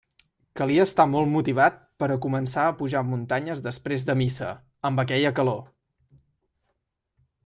Calia estar molt motivat per a començar a pujar muntanyes després de missa, amb aquella calor.